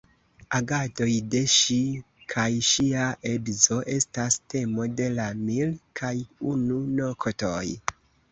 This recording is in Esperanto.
Agadoj de ŝi kaj ŝia edzo estas temo de la "Mil kaj unu noktoj".